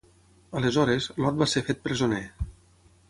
Aleshores, Lot va ser fet presoner.